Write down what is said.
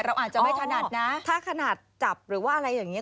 เราอาจจะไม่ถนัดนะถ้าขนาดจับหรือว่าอะไรอย่างนี้